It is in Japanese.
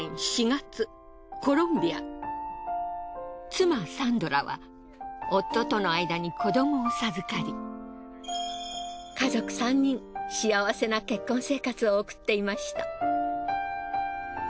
妻サンドラは夫との間に子どもを授かり家族３人幸せな結婚生活を送っていました。